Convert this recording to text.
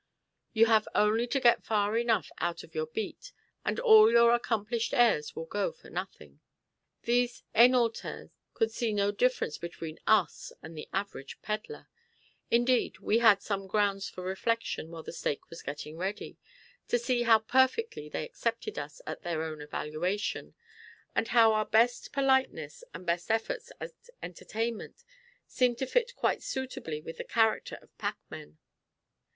You have only to get far enough out of your beat, and all your accomplished airs will go for nothing. These Hainaulters could see no difference between us and the average pedlar. Indeed we had some grounds for reflection while the steak was getting ready, to see how perfectly they accepted us at their own valuation, and how our best politeness and best efforts at entertainment seemed to fit quite suitably with the character of packmen.